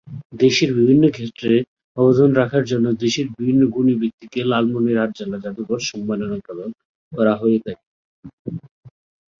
দেশের বিভিন্ন ক্ষেত্রে অবদান রাখার জন্য দেশের বিভিন্ন গুণী ব্যক্তিকে লালমনিরহাট জেলা জাদুঘর সম্মাননা প্রদান করা হয়ে থাকে।